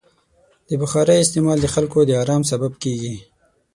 د بخارۍ استعمال د خلکو د ارام سبب کېږي.